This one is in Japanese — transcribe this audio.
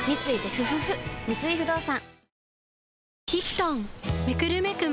三井不動産